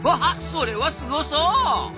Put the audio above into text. それはすごそう！